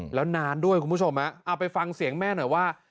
แล้วนานด้วยคุณผู้ชมเอาไปฟังเสียงแม่หน่อยว่า